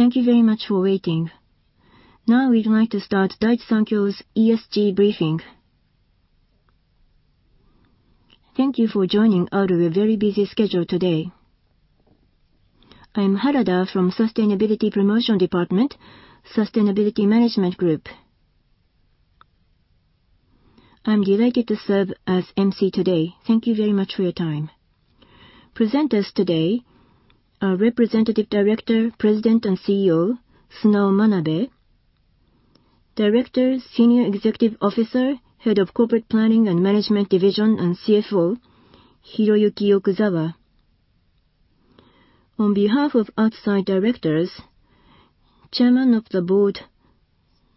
Thank you very much for waiting. Now we'd like to start Daiichi Sankyo's ESG briefing. Thank you for joining out of your very busy schedule today. I'm Harada from Sustainability Promotion Department, Sustainability Management Group. I'm delighted to serve as MC today. Thank you very much for your time. Presenters today are Representative Director, President and CEO, Sunao Manabe. Director, Senior Executive Officer, Head of Corporate Planning and Management Division and CFO, Hiroyuki Okuzawa. On behalf of outside directors, Chairman of the Board,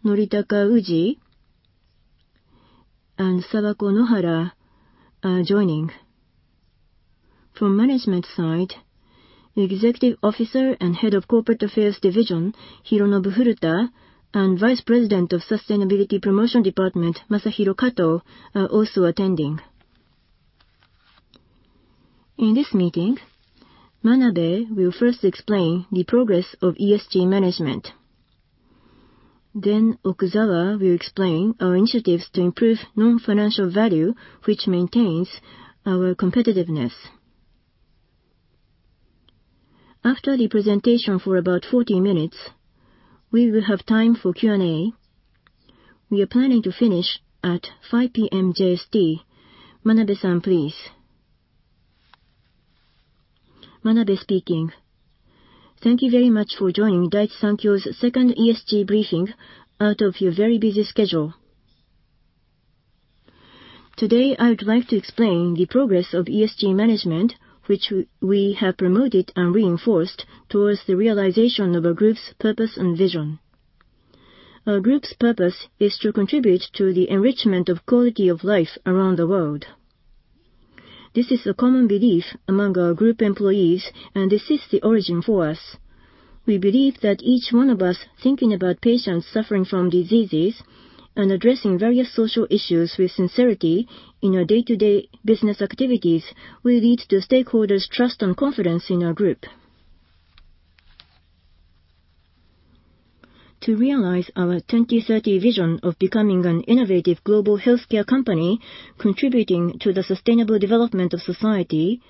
Noritaka Uji and Sawako Nohara are joining. From management side, Executive Officer and Head of Corporate Affairs Division, Hironobu Furuta, and Vice President of Sustainability Promotion Department, Masahiro Kato, are also attending. In this meeting, Manabe will first explain the progress of ESG management. Okuzawa will explain our initiatives to improve non-financial value, which maintains our competitiveness. After the presentation for about 40 minutes, we will have time for Q&A. We are planning to finish at 5:00 P.M. JST. Manabe-san, please. Manabe speaking. Thank you very much for joining Daiichi Sankyo's second ESG briefing out of your very busy schedule. Today, I would like to explain the progress of ESG management, which we have promoted and reinforced towards the realization of our group's purpose and vision. Our group's purpose is to contribute to the enrichment of quality of life around the world. This is a common belief among our group employees. This is the origin for us. We believe that each one of us thinking about patients suffering from diseases and addressing various social issues with sincerity in our day-to-day business activities will lead to stakeholders' trust and confidence in our group. To realize our 2030 vision of becoming an innovative global healthcare company contributing to the sustainable development of society,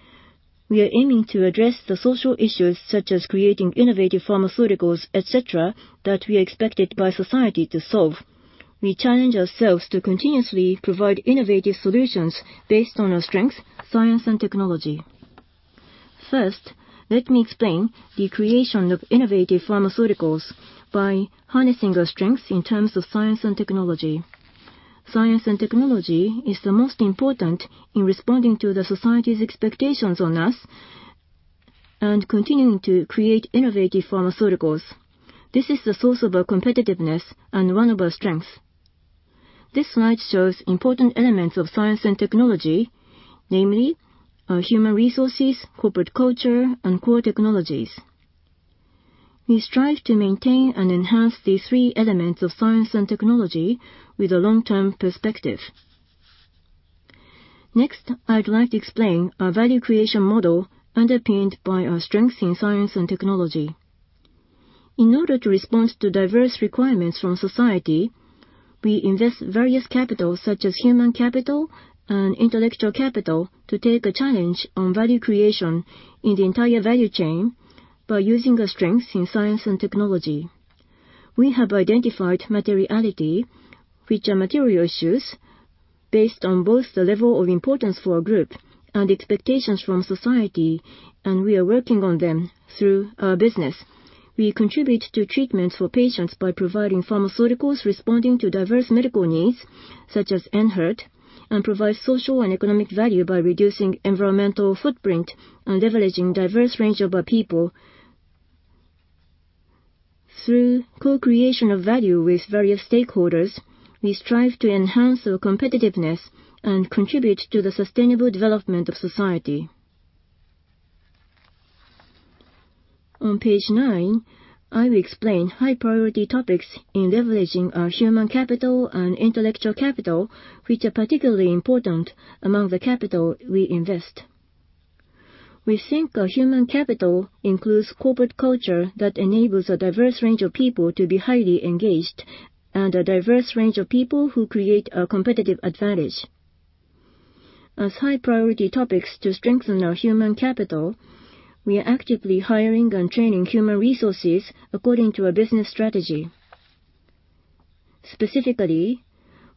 we are aiming to address the social issues such as creating innovative pharmaceuticals, etc., that we are expected by society to solve. We challenge ourselves to continuously provide innovative solutions based on our strengths, science and technology. First, let me explain the creation of innovative pharmaceuticals by harnessing our strengths in terms of science and technology. Science and technology is the most important in responding to the society's expectations on us and continuing to create innovative pharmaceuticals. This is the source of our competitiveness and one of our strengths. This slide shows important elements of science and technology, namely our human resources, corporate culture, and core technologies. We strive to maintain and enhance these three elements of science and technology with a long-term perspective. Next, I would like to explain our value creation model underpinned by our strengths in science and technology. In order to respond to diverse requirements from society, we invest various capital, such as human capital and intellectual capital, to take a challenge on value creation in the entire value chain by using our strengths in science and technology. We have identified materiality, which are material issues based on both the level of importance for our group and expectations from society, and we are working on them through our business. We contribute to treatments for patients by providing pharmaceuticals responding to diverse medical needs, such as Enhertu, and provide social and economic value by reducing environmental footprint and leveraging diverse range of our people. Through co-creation of value with various stakeholders, we strive to enhance our competitiveness and contribute to the sustainable development of society. On page 9, I will explain high priority topics in leveraging our human capital and intellectual capital, which are particularly important among the capital we invest. We think our human capital includes corporate culture that enables a diverse range of people to be highly engaged, and a diverse range of people who create our competitive advantage. As high priority topics to strengthen our human capital, we are actively hiring and training human resources according to our business strategy. Specifically,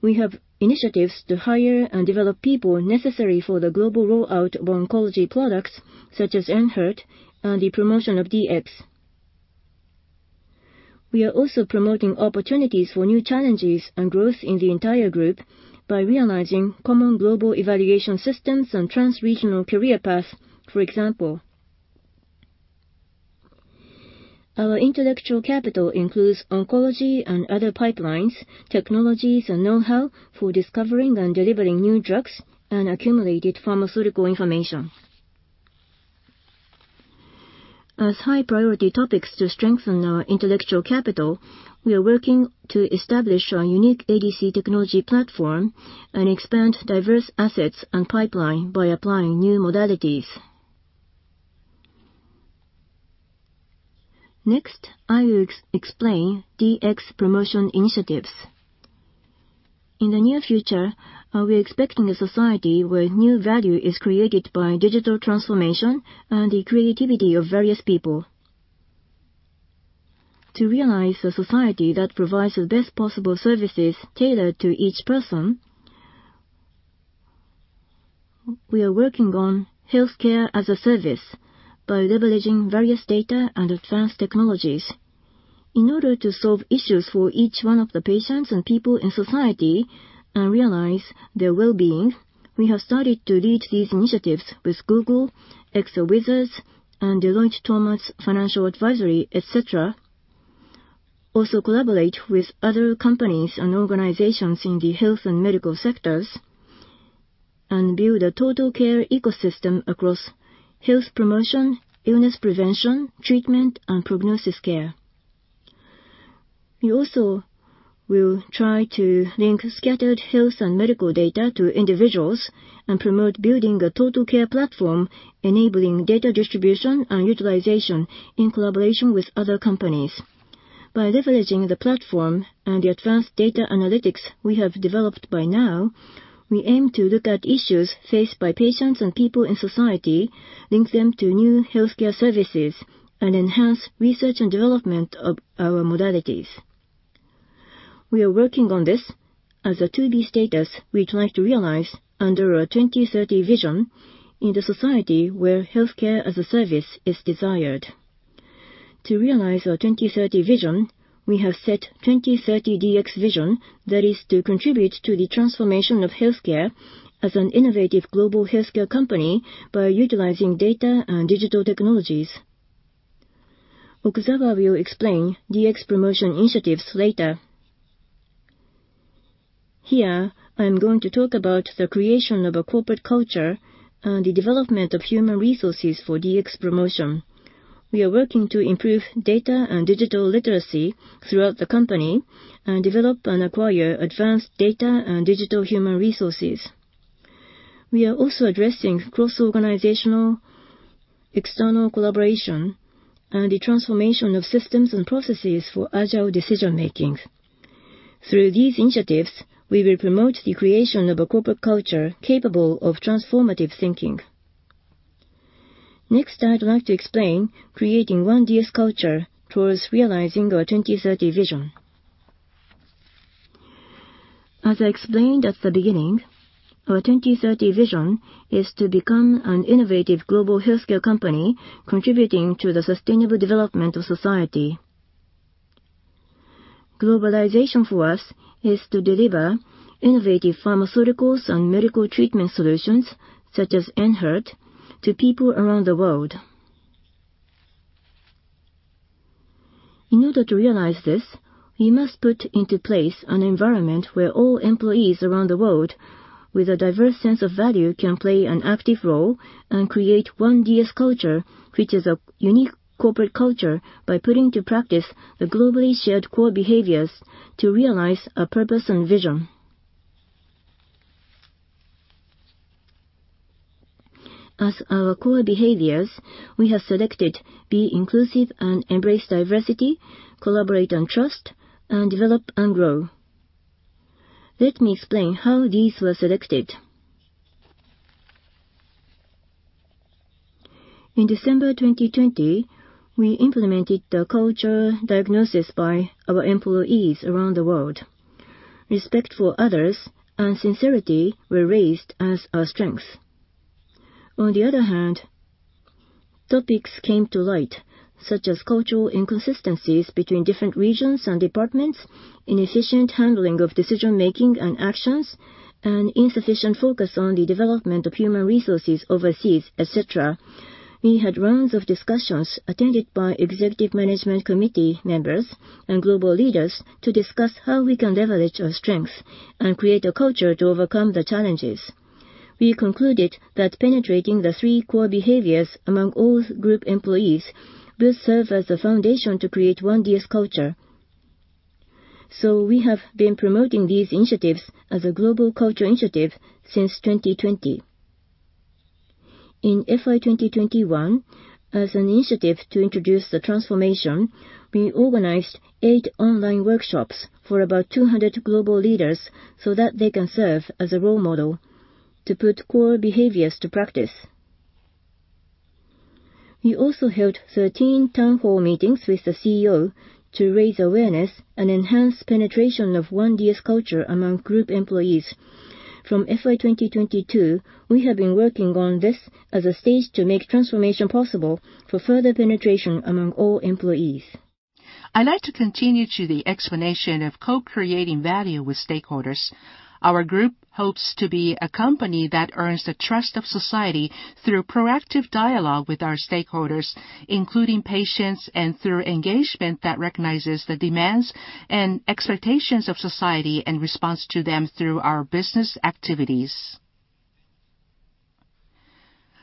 we have initiatives to hire and develop people necessary for the global rollout of oncology products, such as Enhertu and the promotion of DX. We are also promoting opportunities for new challenges and growth in the entire group by realizing common global evaluation systems and trans-regional career paths, for example. Our intellectual capital includes oncology and other pipelines, technologies and know-how for discovering and delivering new drugs, and accumulated pharmaceutical information. As high priority topics to strengthen our intellectual capital, we are working to establish our unique ADC technology platform and expand diverse assets and pipeline by applying new modalities. Next, I will explain DX promotion initiatives. In the near future, are we expecting a society where new value is created by digital transformation and the creativity of various people? To realize a society that provides the best possible services tailored to each person, we are working on healthcare as a service by leveraging various data and advanced technologies. In order to solve issues for each one of the patients and people in society and realize their well-being, we have started to lead these initiatives with Google, ExaWizards, and Deloitte Tohmatsu Financial Advisory, etc. Collaborate with other companies and organizations in the health and medical sectors, and build a total care ecosystem across health promotion, illness prevention, treatment, and prognosis care. We also will try to link scattered health and medical data to individuals and promote building a total care platform, enabling data distribution and utilization in collaboration with other companies. By leveraging the platform and the advanced data analytics we have developed by now, we aim to look at issues faced by patients and people in society, link them to new healthcare services, and enhance research and development of our modalities. We are working on this as a to-be status we try to realize under our 2030 vision in the society where healthcare as a service is desired. To realize our 2030 vision, we have set 2030 DX Vision that is to contribute to the transformation of healthcare as an innovative global healthcare company by utilizing data and digital technologies. Okuzawa will explain DX promotion initiatives later. Here, I'm going to talk about the creation of a corporate culture and the development of human resources for DX promotion. We are working to improve data and digital literacy throughout the company and develop and acquire advanced data and digital human resources. We are also addressing cross-organizational, external collaboration, and the transformation of systems and processes for agile decision-making. Through these initiatives, we will promote the creation of a corporate culture capable of transformative thinking. I'd like to explain creating One DS Culture towards realizing our 2030 vision. As I explained at the beginning, our 2030 vision is to become an innovative global healthcare company contributing to the sustainable development of society. Globalization for us is to deliver innovative pharmaceuticals and medical treatment solutions, such as Enhertu, to people around the world. In order to realize this, we must put into place an environment where all employees around the world with a diverse sense of value can play an active role and create One DS Culture, which is a unique corporate culture by putting to practice the globally shared core behaviors to realize our purpose and vision. As our core behaviors, we have selected be inclusive and embrace diversity, collaborate and trust, and develop and grow. Let me explain how these were selected. In December 2020, we implemented the culture diagnosis by our employees around the world. Respect for others and sincerity were raised as our strengths. On the other hand, topics came to light, such as cultural inconsistencies between different regions and departments, inefficient handling of decision-making and actions, and insufficient focus on the development of human resources overseas, etc. We had rounds of discussions attended by executive management committee members and global leaders to discuss how we can leverage our strengths and create a culture to overcome the challenges. We concluded that penetrating the three core behaviors among all group employees will serve as the foundation to create One DS Culture. We have been promoting these initiatives as a global culture initiative since 2020. In FY 2021, as an initiative to introduce the transformation, we organized eight online workshops for about 200 global leaders so that they can serve as a role model to put core behaviors to practice. We also held 13 town hall meetings with the CEO to raise awareness and enhance penetration of One DS Culture among group employees. From FY 2022, we have been working on this as a stage to make transformation possible for further penetration among all employees. I'd like to continue to the explanation of co-creating value with stakeholders. Our group hopes to be a company that earns the trust of society through proactive dialogue with our stakeholders, including patients, and through engagement that recognizes the demands and expectations of society and responds to them through our business activities.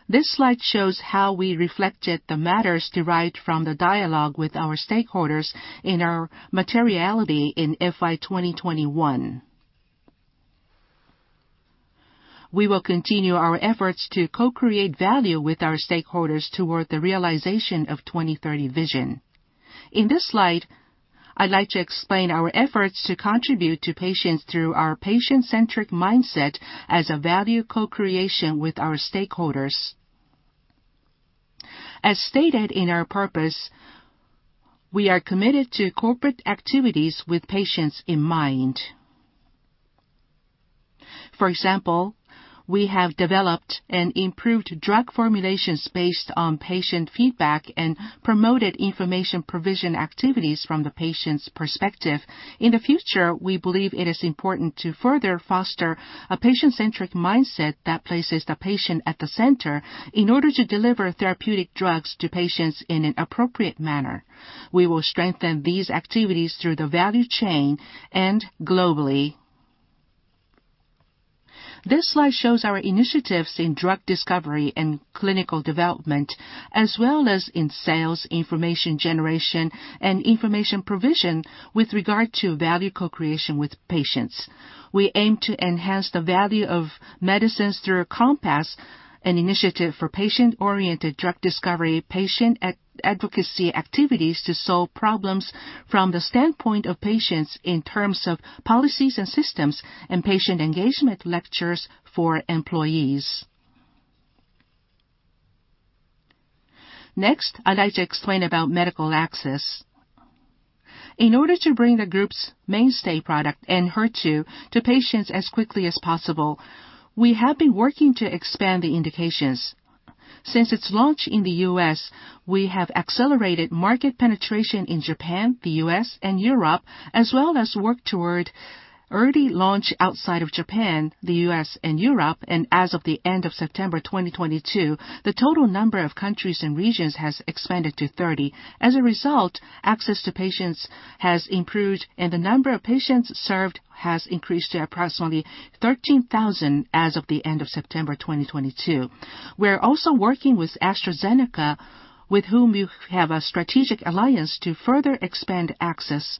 This slide shows how we reflected the matters derived from the dialogue with our stakeholders in our materiality in FY 2021. We will continue our efforts to co-create value with our stakeholders toward the realization of 2030 vision. In this slide, I'd like to explain our efforts to contribute to patients through our patient-centric mindset as a value co-creation with our stakeholders. As stated in our purpose, we are committed to corporate activities with patients in mind. For example, we have developed and improved drug formulations based on patient feedback and promoted information provision activities from the patient's perspective. In the future, we believe it is important to further foster a patient-centric mindset that places the patient at the center in order to deliver therapeutic drugs to patients in an appropriate manner. We will strengthen these activities through the value chain and globally. This slide shows our initiatives in drug discovery and clinical development, as well as in sales, information generation, and information provision with regard to value co-creation with patients. We aim to enhance the value of medicines through COMPASS, an initiative for patient-oriented drug discovery, patient advocacy activities to solve problems from the standpoint of patients in terms of policies and systems and patient engagement lectures for employees. Next, I'd like to explain about medical access. In order to bring the group's mainstay product, Enhertu, to patients as quickly as possible, we have been working to expand the indications. Since its launch in the US, we have accelerated market penetration in Japan, the U.S., and Europe, as well as work toward early launch outside of Japan, the U.S., and Europe. As of the end of September 2022, the total number of countries and regions has expanded to 30. As a result, access to patients has improved, and the number of patients served has increased to approximately 13,000 as of the end of September 2022. We're also working with AstraZeneca, with whom we have a strategic alliance, to further expand access.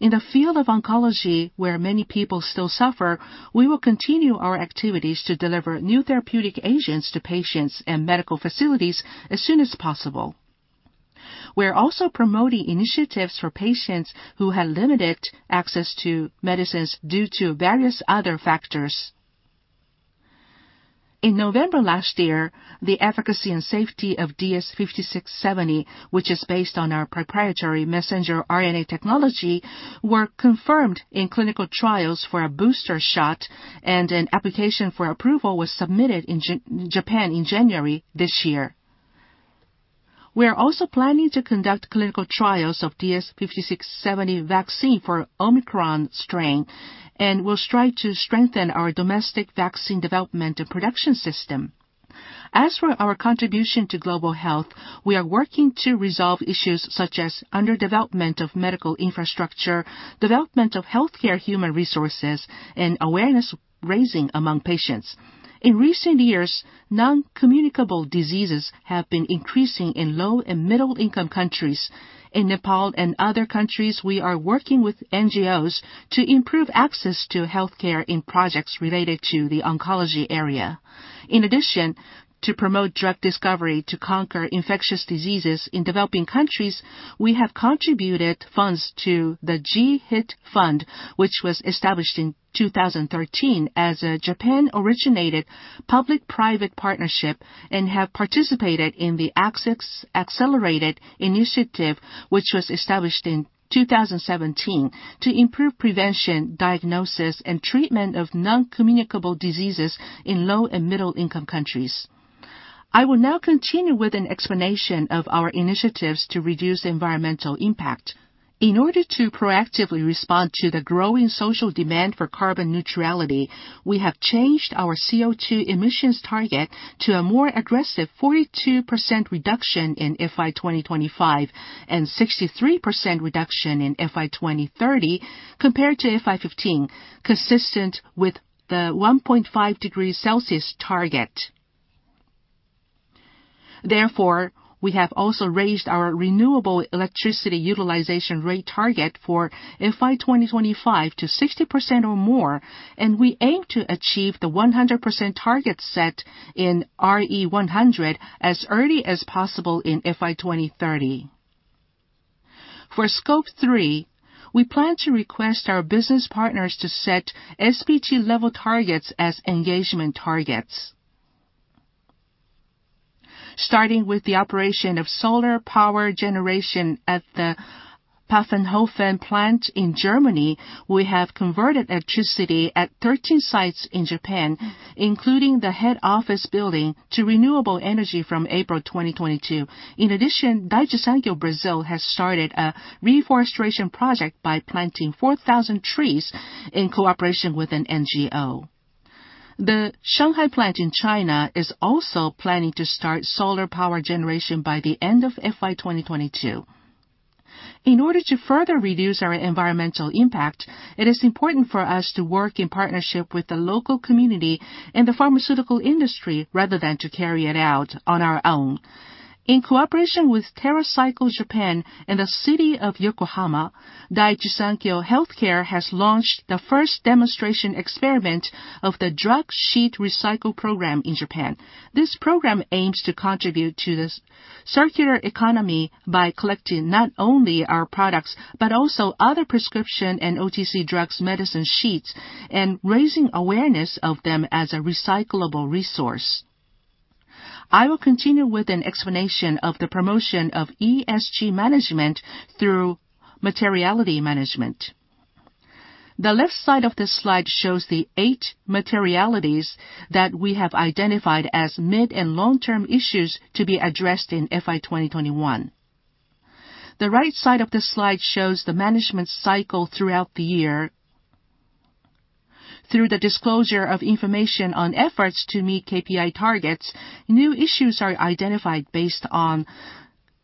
In the field of oncology, where many people still suffer, we will continue our activities to deliver new therapeutic agents to patients and medical facilities as soon as possible. We're also promoting initiatives for patients who have limited access to medicines due to various other factors. In November last year, the efficacy and safety of DS-5670, which is based on our proprietary messenger RNA technology, were confirmed in clinical trials for a booster shot, and an application for approval was submitted in Japan in January this year. We are also planning to conduct clinical trials of DS-5670 vaccine for Omicron strain and will strive to strengthen our domestic vaccine development and production system. As for our contribution to global health, we are working to resolve issues such as under-development of medical infrastructure, development of healthcare human resources, and awareness-raising among patients. In recent years, non-communicable diseases have been increasing in low and middle-income countries. In Nepal and other countries, we are working with NGOs to improve access to healthcare in projects related to the oncology area. In addition, to promote drug discovery to conquer infectious diseases in developing countries, we have contributed funds to the GHIT Fund, which was established in 2013 as a Japan-originated public-private partnership, and have participated in the Access Accelerated initiative, which was established in 2017 to improve prevention, diagnosis, and treatment of non-communicable diseases in low and middle-income countries. I will now continue with an explanation of our initiatives to reduce environmental impact. In order to proactively respond to the growing social demand for carbon neutrality, we have changed our CO2 emissions target to a more aggressive 42% reduction in FY 2025 and 63% reduction in FY 2030 compared to FY 2015, consistent with the 1.5 degree Celsius target. Therefore, we have also raised our renewable electricity utilization rate target for FY 2025 to 60% or more, and we aim to achieve the 100% target set in RE100 as early as possible in FY 2030. For Scope 3, we plan to request our business partners to set SBT level targets as engagement targets. Starting with the operation of solar power generation at the Pfaffenhofen plant in Germany, we have converted electricity at 13 sites in Japan, including the head office building, to renewable energy from April 2022. In addition, Daiichi Sankyo Brazil has started a reforestation project by planting 4,000 trees in cooperation with an NGO. The Shanghai plant in China is also planning to start solar power generation by the end of FY 2022. In order to further reduce our environmental impact, it is important for us to work in partnership with the local community and the pharmaceutical industry rather than to carry it out on our own. In cooperation with TerraCycle Japan and the city of Yokohama, Daiichi Sankyo Healthcare has launched the first demonstration experiment of the drug sheet recycle program in Japan. This program aims to contribute to the circular economy by collecting not only our products, but also other prescription and OTC drugs medicine sheets, and raising awareness of them as a recyclable resource. I will continue with an explanation of the promotion of ESG management through materiality management. The left side of this slide shows the eight materialities that we have identified as mid and long-term issues to be addressed in FY 2021. The right side of this slide shows the management cycle throughout the year. Through the disclosure of information on efforts to meet KPI targets, new issues are identified based on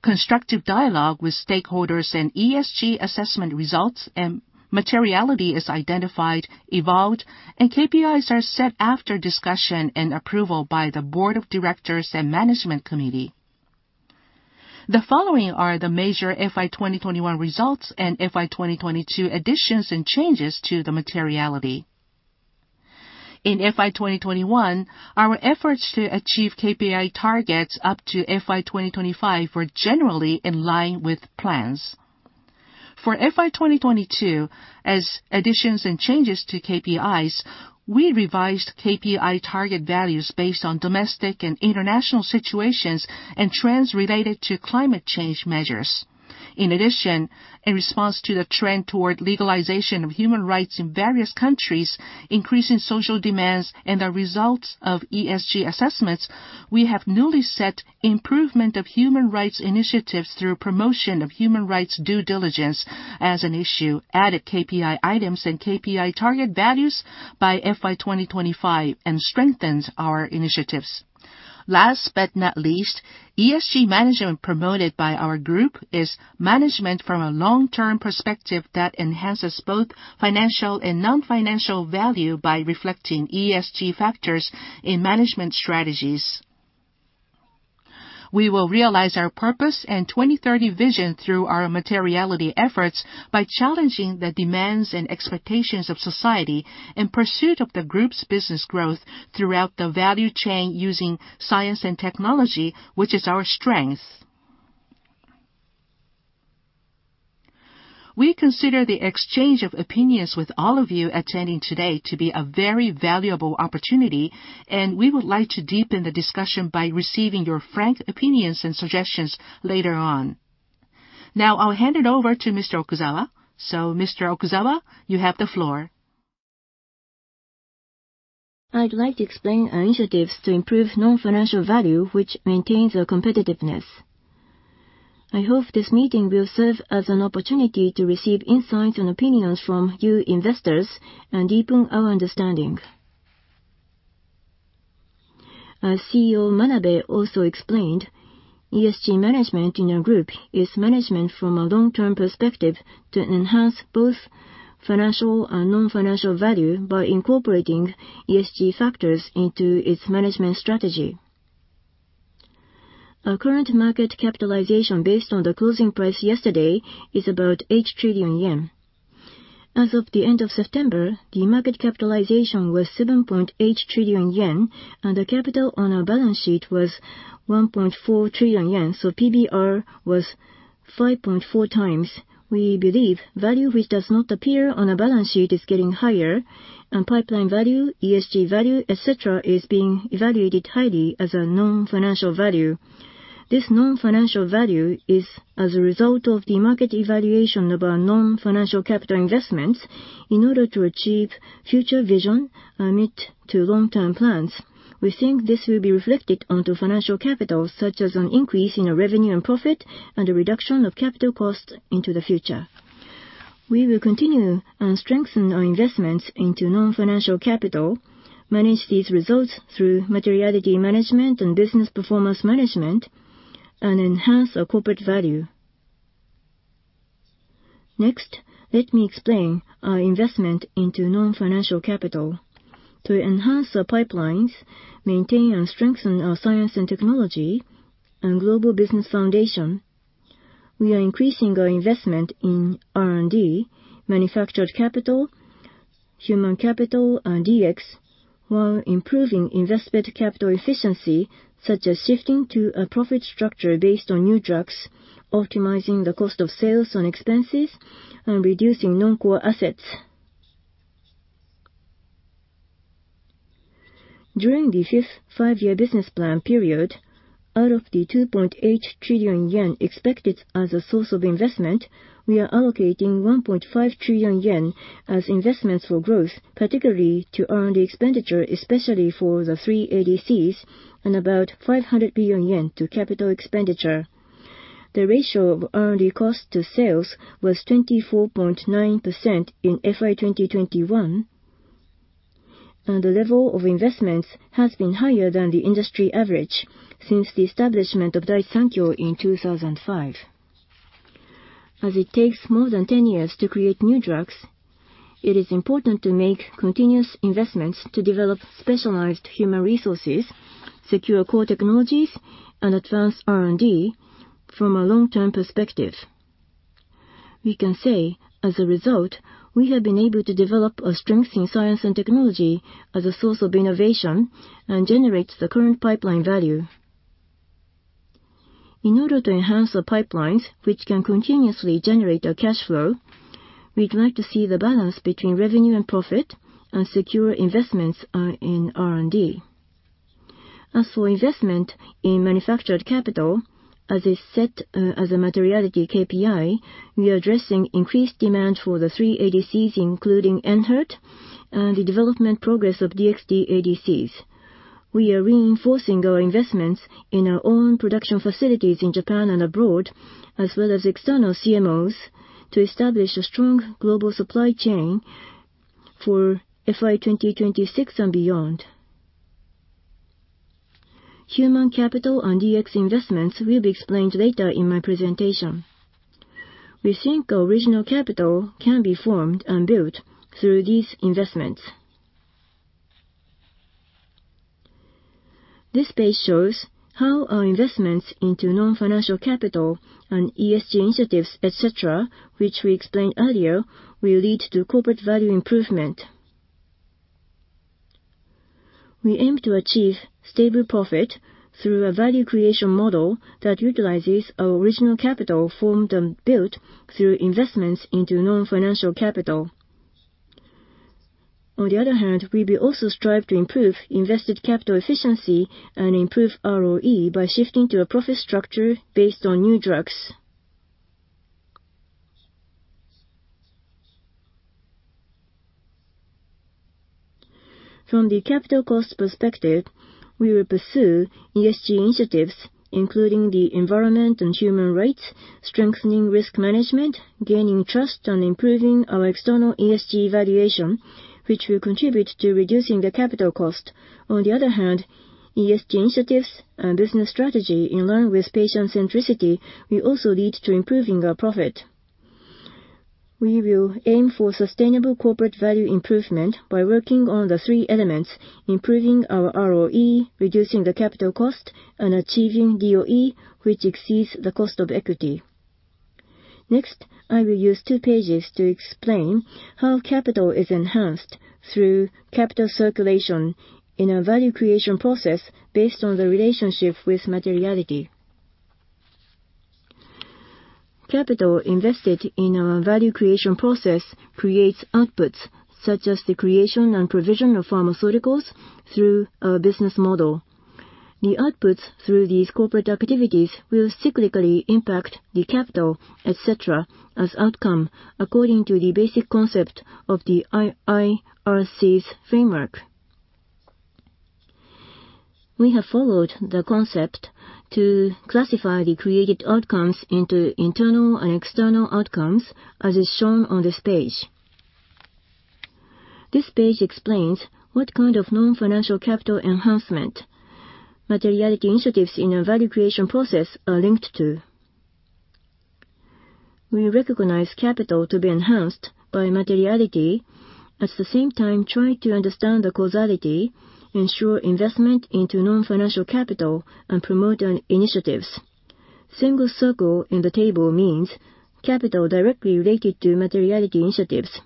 constructive dialogue with stakeholders and ESG assessment results, and materiality is identified, evolved, and KPIs are set after discussion and approval by the board of directors and management committee. The following are the major FY 2021 results and FY 2022 additions and changes to the materiality. In FY 2021, our efforts to achieve KPI targets up to FY 2025 were generally in line with plans. For FY 2022, as additions and changes to KPIs, we revised KPI target values based on domestic and international situations and trends related to climate change measures. In addition, in response to the trend toward legalization of human rights in various countries, increasing social demands, and the results of ESG assessments, we have newly set improvement of human rights initiatives through promotion of human rights due diligence as an issue, added KPI items and KPI target values by FY 2025, and strengthened our initiatives. Last but not least, ESG management promoted by our group is management from a long-term perspective that enhances both financial and non-financial value by reflecting ESG factors in management strategies. We will realize our purpose and 2030 vision through our materiality efforts by challenging the demands and expectations of society in pursuit of the group's business growth throughout the value chain using science and technology, which is our strength. We consider the exchange of opinions with all of you attending today to be a very valuable opportunity, and we would like to deepen the discussion by receiving your frank opinions and suggestions later on. I'll hand it over to Mr. Okuzawa. Mr. Okuzawa, you have the floor. I'd like to explain our initiatives to improve non-financial value, which maintains our competitiveness. I hope this meeting will serve as an opportunity to receive insights and opinions from you investors and deepen our understanding. As CEO Manabe also explained, ESG management in our group is management from a long-term perspective to enhance both financial and non-financial value by incorporating ESG factors into its management strategy. Our current market capitalization based on the closing price yesterday is about 8 trillion yen. As of the end of September, the market capitalization was 7.8 trillion yen, and the capital on our balance sheet was 1.4 trillion yen. PBR was 5.4x. We believe value which does not appear on a balance sheet is getting higher, and pipeline value, ESG value, et cetera, is being evaluated highly as a non-financial value. This non-financial value is as a result of the market evaluation of our non-financial capital investments in order to achieve future vision and meet to long-term plans. We think this will be reflected onto financial capital, such as an increase in our revenue and profit and a reduction of capital costs into the future. We will continue and strengthen our investments into non-financial capital, manage these results through materiality management and business performance management, and enhance our corporate value. Next, let me explain our investment into non-financial capital. To enhance our pipelines, maintain and strengthen our science and technology and global business foundation, we are increasing our investment in R&D, manufactured capital, human capital, and DX, while improving investment capital efficiency, such as shifting to a profit structure based on new drugs, optimizing the cost of sales and expenses, and reducing non-core assets. During the fifth five-year business plan period, out of the 2.8 trillion yen expected as a source of investment, we are allocating 1.5 trillion yen as investments for growth, particularly to R&D expenditure, especially for the three ADCs, and about 500 billion yen to capital expenditure. The ratio of R&D cost to sales was 24.9% in FY 2021. The level of investments has been higher than the industry average since the establishment of Daiichi Sankyo in 2005. As it takes more than 10 years to create new drugs, it is important to make continuous investments to develop specialized human resources, secure core technologies and advance R&D from a long-term perspective. We can say, as a result, we have been able to develop our strength in science and technology as a source of innovation and generate the current pipeline value. In order to enhance the pipelines, which can continuously generate a cash flow, we'd like to see the balance between revenue and profit and secure investments in R&D. As for investment in manufactured capital, as is set as a materiality KPI, we are addressing increased demand for the three ADCs, including Enhertu, and the development progress of DXd ADCs. We are reinforcing our investments in our own production facilities in Japan and abroad, as well as external CMOs, to establish a strong global supply chain for FY 2026 and beyond. Human capital and DX investments will be explained later in my presentation. We think original capital can be formed and built through these investments. This page shows how our investments into non-financial capital and ESG initiatives, et cetera, which we explained earlier, will lead to corporate value improvement. We aim to achieve stable profit through a value creation model that utilizes our original capital formed and built through investments into non-financial capital. On the other hand, we will also strive to improve invested capital efficiency and improve ROE by shifting to a profit structure based on new drugs. From the capital cost perspective, we will pursue ESG initiatives, including the environment and human rights, strengthening risk management, gaining trust, and improving our external ESG evaluation, which will contribute to reducing the capital cost. On the other hand, ESG initiatives and business strategy, in line with patient centricity, will also lead to improving our profit. We will aim for sustainable corporate value improvement by working on the three elements: improving our ROE, reducing the capital cost, and achieving DOE, which exceeds the cost of equity. Next, I will use two pages to explain how capital is enhanced through capital circulation in a value creation process based on the relationship with materiality. Capital invested in our value creation process creates outputs, such as the creation and provision of pharmaceuticals through our business model. The outputs through these corporate activities will cyclically impact the capital, et cetera, as outcome according to the basic concept of the IIRC's framework. We have followed the concept to classify the created outcomes into internal and external outcomes, as is shown on this page. This page explains what kind of non-financial capital enhancement materiality initiatives in our value creation process are linked to. We recognize capital to be enhanced by materiality. At the same time, try to understand the causality, ensure investment into non-financial capital, and promote on initiatives. Single circle in the table means capital directly related to materiality initiatives.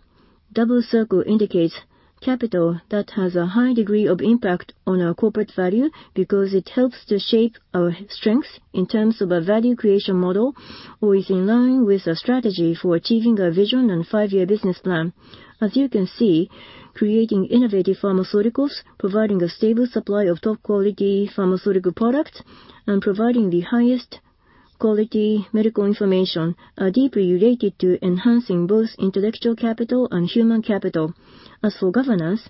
Double circle indicates capital that has a high degree of impact on our corporate value because it helps to shape our strength in terms of a value creation model or is in line with a strategy for achieving our vision and five-year business plan. As you can see, creating innovative pharmaceuticals, providing a stable supply of top quality pharmaceutical products, and providing the highest quality medical information are deeply related to enhancing both intellectual capital and human capital. As for governance,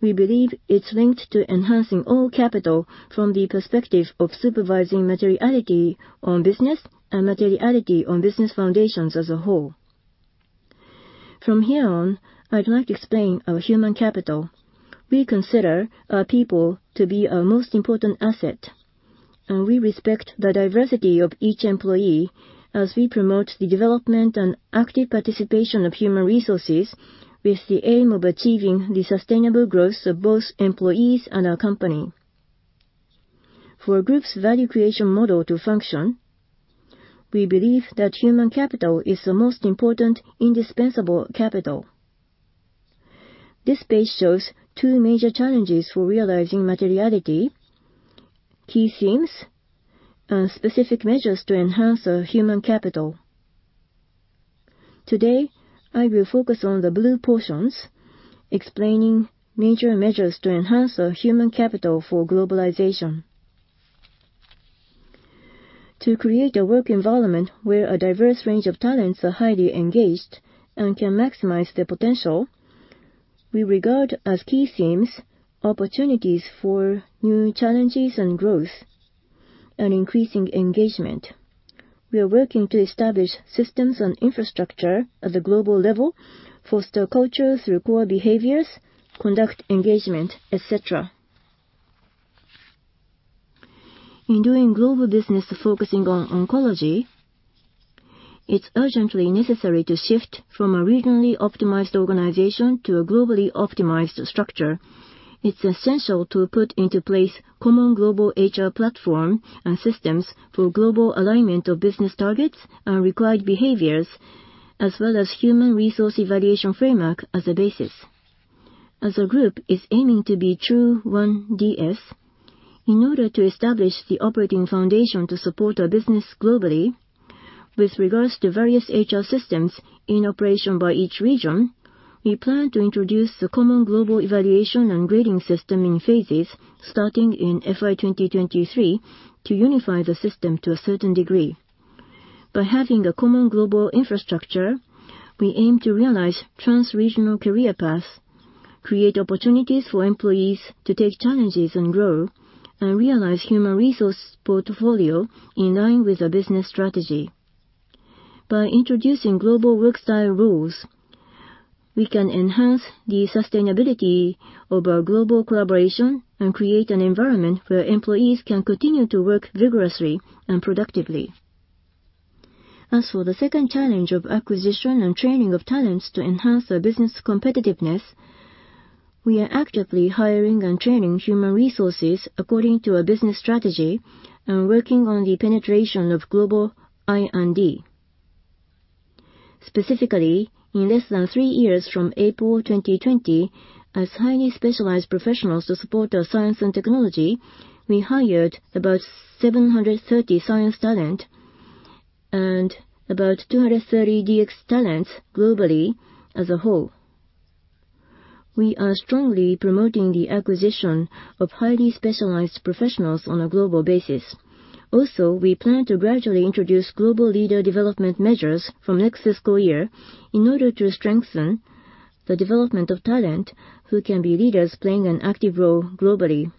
we believe it's linked to enhancing all capital from the perspective of supervising materiality on business and materiality on business foundations as a whole. From here on, I'd like to explain our human capital. We consider our people to be our most important asset, and we respect the diversity of each employee as we promote the development and active participation of human resources with the aim of achieving the sustainable growth of both employees and our company. For a group's value creation model to function, we believe that human capital is the most important indispensable capital. This page shows two major challenges for realizing materiality, key themes, and specific measures to enhance our human capital. Today, I will focus on the blue portions, explaining major measures to enhance our human capital for globalization. To create a work environment where a diverse range of talents are highly engaged and can maximize their potential, we regard as key themes opportunities for new challenges and growth, and increasing engagement. We are working to establish systems and infrastructure at the global level, foster culture through core behaviors, conduct engagement, et cetera. In doing global business focusing on oncology, it's urgently necessary to shift from a regionally optimized organization to a globally optimized structure. It's essential to put into place common global HR platform and systems for global alignment of business targets and required behaviors, as well as human resource evaluation framework as a basis. As our group is aiming to be true One DS, in order to establish the operating foundation to support our business globally with regards to various HR systems in operation by each region, we plan to introduce the common global evaluation and grading system in phases starting in FY 2023 to unify the system to a certain degree. By having a common global infrastructure, we aim to realize trans-regional career paths, create opportunities for employees to take challenges and grow, and realize human resource portfolio in line with our business strategy. By introducing global work style rules, we can enhance the sustainability of our global collaboration and create an environment where employees can continue to work vigorously and productively. As for the second challenge of acquisition and training of talents to enhance our business competitiveness, we are actively hiring and training human resources according to our business strategy and working on the penetration of global R&D. Specifically, in less than three years from April 2020, as highly specialized professionals to support our science and technology, we hired about 730 science talent and about 230 DX talents globally as a whole. We are strongly promoting the acquisition of highly specialized professionals on a global basis. We plan to gradually introduce global leader development measures from next fiscal year in order to strengthen the development of talent who can be leaders playing an active role globally.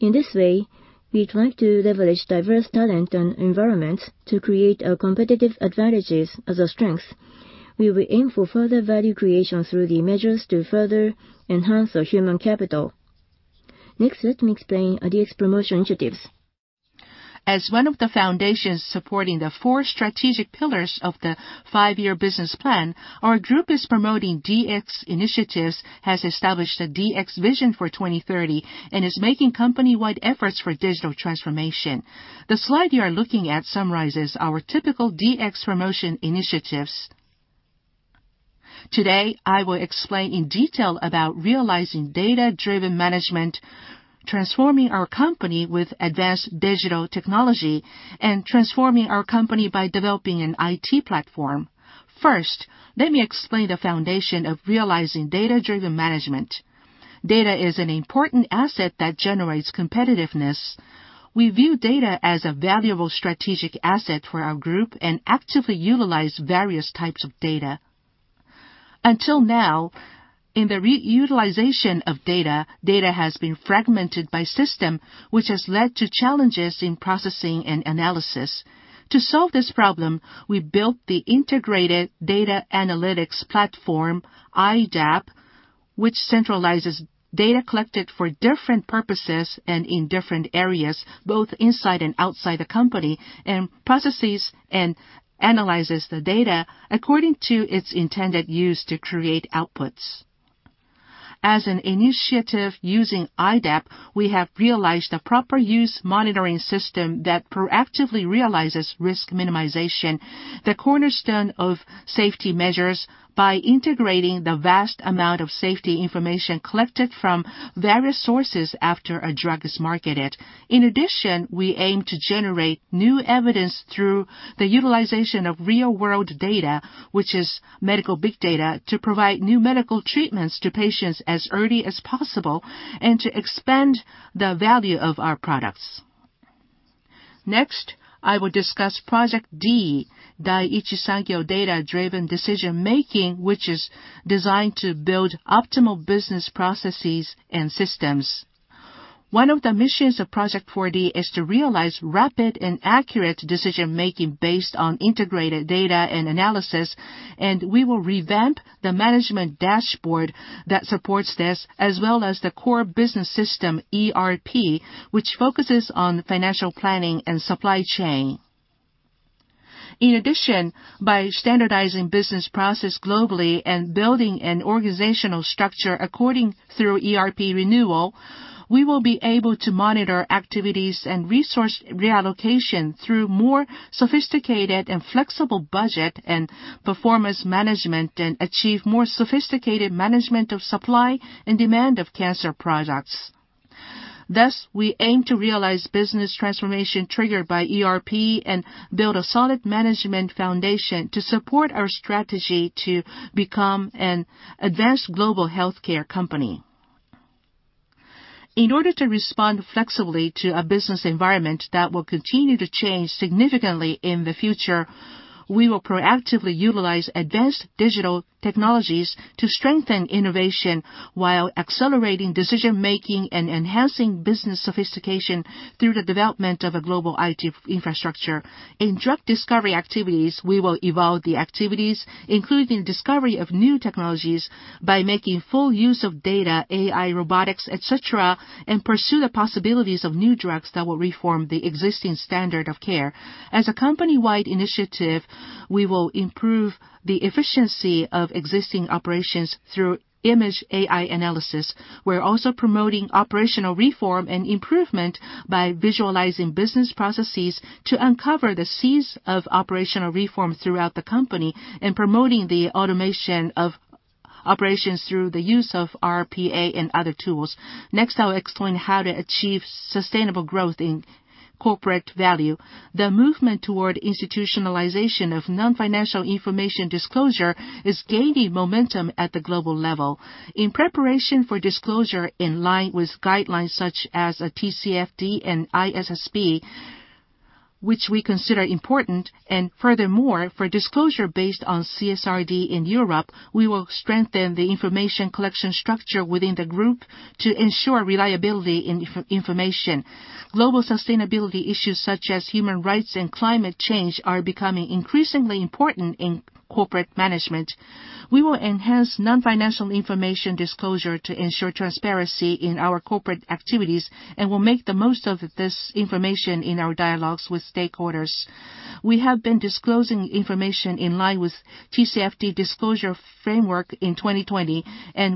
In this way, we try to leverage diverse talent and environments to create our competitive advantages as a strength. We will aim for further value creation through the measures to further enhance our human capital. Next, let me explain our DX promotion initiatives. As one of the foundations supporting the four strategic pillars of the five-year business plan, our group is promoting DX initiatives, has established a DX vision for 2030, and is making company-wide efforts for digital transformation. The slide you are looking at summarizes our typical DX promotion initiatives. Today, I will explain in detail about realizing data-driven management, transforming our company with advanced digital technology, and transforming our company by developing an IT platform. First, let me explain the foundation of realizing data-driven management. Data is an important asset that generates competitiveness. We view data as a valuable strategic asset for our group and actively utilize various types of data. Until now, in the reutilization of data has been fragmented by system, which has led to challenges in processing and analysis. To solve this problem, we built the Integrated Data Analytics Platform, IDAP, which centralizes data collected for different purposes and in different areas, both inside and outside the company, and processes and analyzes the data according to its intended use to create outputs. As an initiative using IDAP, we have realized a proper use monitoring system that proactively realizes risk minimization, the cornerstone of safety measures by integrating the vast amount of safety information collected from various sources after a drug is marketed. In addition, we aim to generate new evidence through the utilization of real-world data, which is medical big data, to provide new medical treatments to patients as early as possible and to expand the value of our products. Next, I will discuss Project D, Daiichi Sankyo Data-Driven Decision Making, which is designed to build optimal business processes and systems. One of the missions of Project 4D is to realize rapid and accurate decision-making based on integrated data and analysis. We will revamp the management dashboard that supports this, as well as the core business system ERP, which focuses on financial planning and supply chain. By standardizing business process globally and building an organizational structure according through ERP renewal, we will be able to monitor activities and resource reallocation through more sophisticated and flexible budget and performance management, and achieve more sophisticated management of supply and demand of cancer products. We aim to realize business transformation triggered by ERP and build a solid management foundation to support our strategy to become an advanced global healthcare company. In order to respond flexibly to a business environment that will continue to change significantly in the future, we will proactively utilize advanced digital technologies to strengthen innovation while accelerating decision-making and enhancing business sophistication through the development of a global IT infrastructure. In drug discovery activities, we will evolve the activities, including discovery of new technologies by making full use of data, AI, robotics, et cetera, and pursue the possibilities of new drugs that will reform the existing standard of care. As a company-wide initiative, we will improve the efficiency of existing operations through image AI analysis. We're also promoting operational reform and improvement by visualizing business processes to uncover the seeds of operational reform throughout the company and promoting the automation of operations through the use of RPA and other tools. I'll explain how to achieve sustainable growth in corporate value. The movement toward institutionalization of non-financial information disclosure is gaining momentum at the global level. In preparation for disclosure in line with guidelines such as TCFD and ISSB, which we consider important, and furthermore, for disclosure based on CSRD in Europe, we will strengthen the information collection structure within the group to ensure reliability in information. Global sustainability issues such as human rights and climate change are becoming increasingly important in corporate management. We will enhance non-financial information disclosure to ensure transparency in our corporate activities and will make the most of this information in our dialogues with stakeholders. We have been disclosing information in line with TCFD disclosure framework in 2020.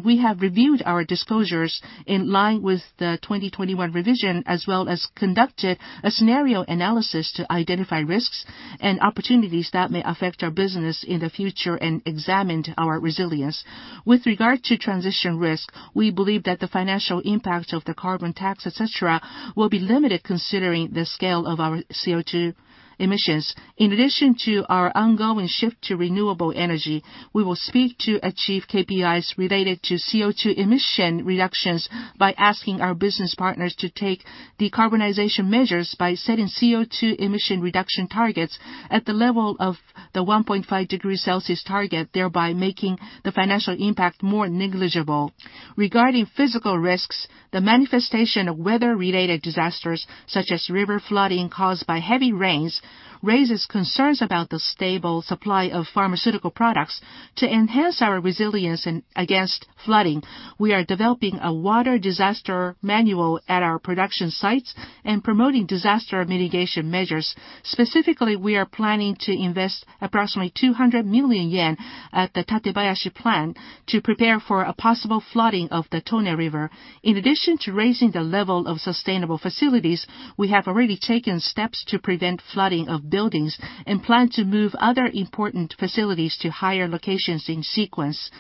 We have reviewed our disclosures in line with the 2021 revision, as well as conducted a scenario analysis to identify risks and opportunities that may affect our business in the future and examined our resilience. With regard to transition risk, we believe that the financial impact of the carbon tax, et cetera, will be limited considering the scale of our CO2 emissions. In addition to our ongoing shift to renewable energy, we will seek to achieve KPIs related to CO2 emission reductions by asking our business partners to take decarbonization measures by setting CO2 emission reduction targets at the level of the 1.5 degree Celsius target, thereby making the financial impact more negligible. Regarding physical risks, the manifestation of weather-related disasters, such as river flooding caused by heavy rains, raises concerns about the stable supply of pharmaceutical products. To enhance our resilience against flooding, we are developing a water disaster manual at our production sites and promoting disaster mitigation measures. Specifically, we are planning to invest approximately 200 million yen at the Tatebayashi plant to prepare for a possible flooding of the Tone River. In addition to raising the level of sustainable facilities, we have already taken steps to prevent flooding of buildings and plan to move other important facilities to higher locations in sequence.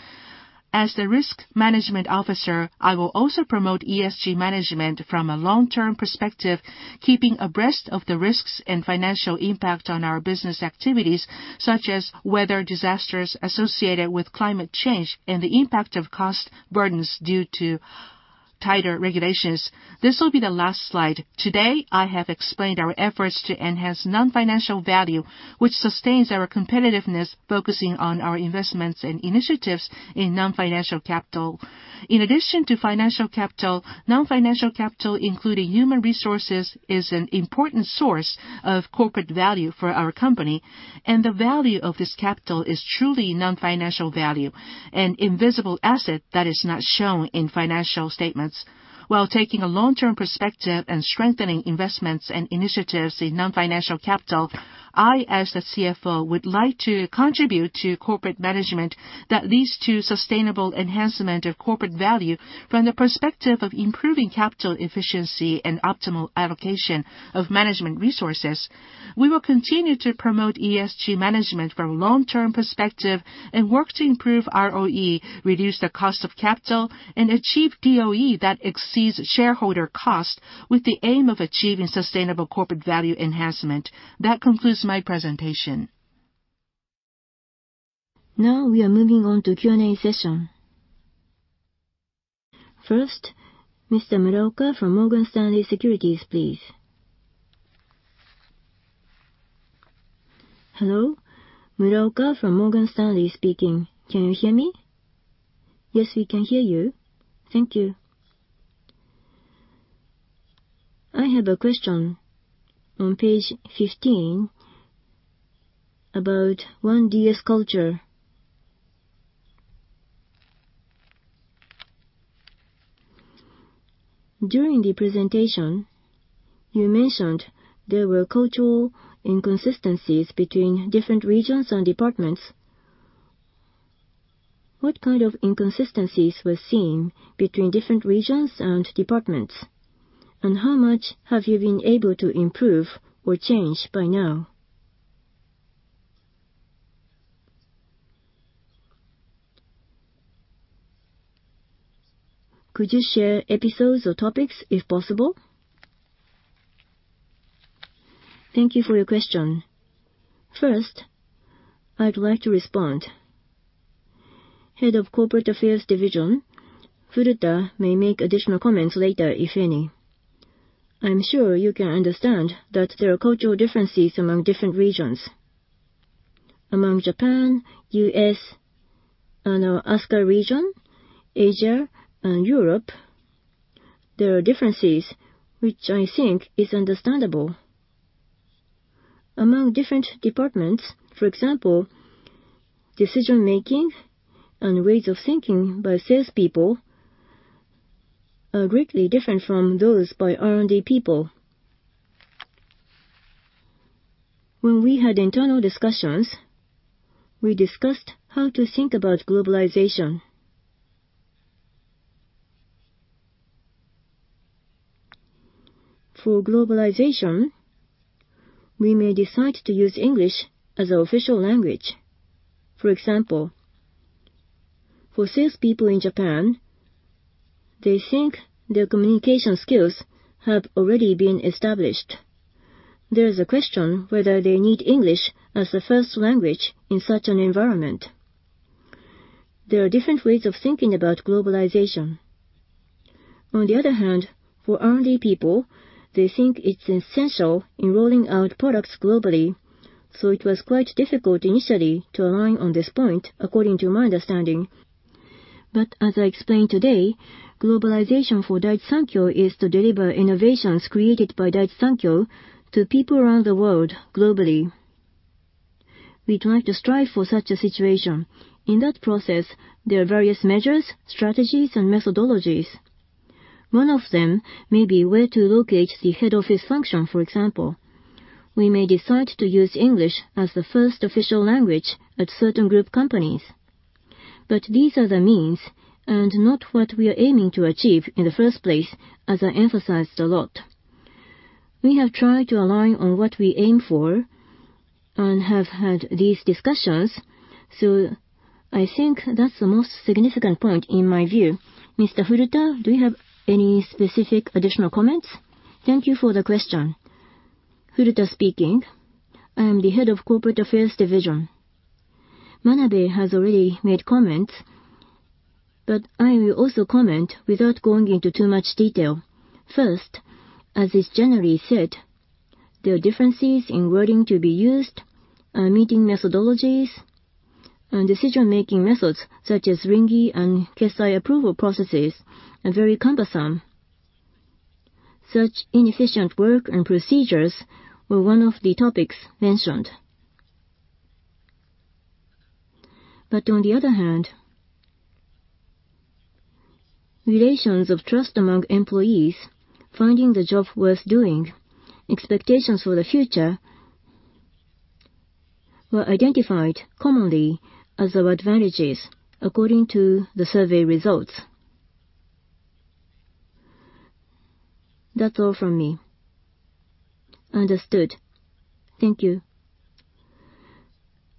As the risk management officer, I will also promote ESG management from a long-term perspective, keeping abreast of the risks and financial impact on our business activities, such as weather disasters associated with climate change and the impact of cost burdens due to tighter regulations. This will be the last slide. Today, I have explained our efforts to enhance non-financial value, which sustains our competitiveness, focusing on our investments and initiatives in non-financial capital. In addition to financial capital, non-financial capital, including human resources, is an important source of corporate value for our company, and the value of this capital is truly non-financial value, an invisible asset that is not shown in financial statements. While taking a long-term perspective and strengthening investments and initiatives in non-financial capital, I, as the CFO, would like to contribute to corporate management that leads to sustainable enhancement of corporate value from the perspective of improving capital efficiency and optimal allocation of management resources. We will continue to promote ESG management from a long-term perspective and work to improve ROE, reduce the cost of capital, and achieve DOE that exceeds shareholder cost with the aim of achieving sustainable corporate value enhancement. That concludes my presentation. Now we are moving on to Q&A session. First, Mr. Muraoka from Morgan Stanley Securities, please. Hello, Muraoka from Morgan Stanley speaking. Can you hear me? Yes, we can hear you. Thank you. I have a question. On page 15, about One DS Culture. During the presentation, you mentioned there were cultural inconsistencies between different regions and departments. What kind of inconsistencies were seen between different regions and departments? How much have you been able to improve or change by now? Could you share episodes or topics if possible? Thank you for your question. First, I'd like to respond. Head of Corporate Affairs Division, Furuta, may make additional comments later, if any. I'm sure you can understand that there are cultural differences among different regions. Among Japan, U.S., and our ASCA region, Asia and Europe, there are differences, which I think is understandable. Among different departments, for example, decision-making and ways of thinking by salespeople are greatly different from those by R&D people. When we had internal discussions, we discussed how to think about globalization. For globalization, we may decide to use English as our official language. For example, for salespeople in Japan, they think their communication skills have already been established. There is a question whether they need English as a first language in such an environment. There are different ways of thinking about globalization. On the other hand, for R&D people, they think it's essential in rolling out products globally. It was quite difficult initially to align on this point, according to my understanding. As I explained today, globalization for Daiichi Sankyo is to deliver innovations created by Daiichi Sankyo to people around the world globally. We'd like to strive for such a situation. In that process, there are various measures, strategies, and methodologies. One of them may be where to locate the head office function, for example. We may decide to use English as the first official language at certain group companies. These are the means and not what we are aiming to achieve in the first place, as I emphasized a lot. We have tried to align on what we aim for and have had these discussions, so I think that's the most significant point in my view. Mr. Furuta, do you have any specific additional comments? Thank you for the question. Furuta speaking. I am the Head of Corporate Affairs Division. Manabe has already made comments, but I will also comment without going into too much detail. First, as is generally said, there are differences in wording to be used, and meeting methodologies, and decision-making methods such as ringi and kessai approval processes are very cumbersome. Such inefficient work and procedures were one of the topics mentioned. On the other hand, relations of trust among employees, finding the job worth doing, expectations for the future, were identified commonly as our advantages according to the survey results. That's all from me. Understood. Thank you.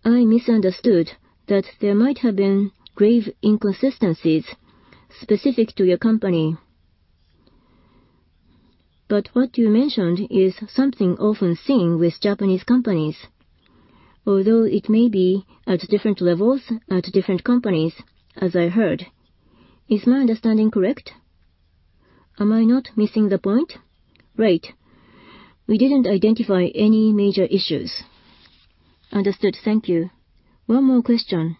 I misunderstood that there might have been grave inconsistencies specific to your company. What you mentioned is something often seen with Japanese companies, although it may be at different levels at different companies, as I heard. Is my understanding correct? Am I not missing the point? Right. We didn't identify any major issues. Understood. Thank you. One more question.